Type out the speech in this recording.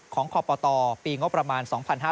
ของคปตปีงประมาณ๒๕๖๐